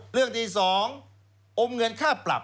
เรื่องที่๒อมเงินค่าปรับ